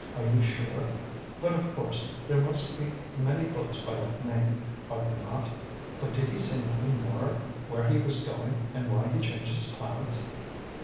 "Are you sure? But, of course there must be many boats by that name, are there not? But did he say nothing more where he was going, and why he changed his plans?"